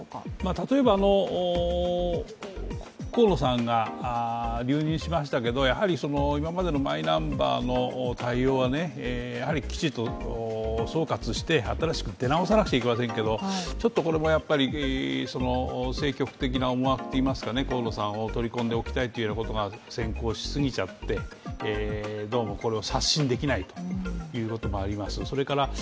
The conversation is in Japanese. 例えば河野さんが留任しましたけど今までのマイナンバーの対応はきちっと総括して、新しく出直さなくちゃいけませんけど、これも政局的な思惑といいますか河野さんを取り込んでおきたいということが先行しすぎちゃって、どうもこれを刷新できないということもあります。